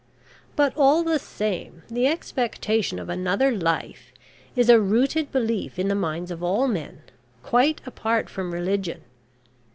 But, all the same, the expectation of another life is a rooted belief in the minds of all men, quite apart from religion.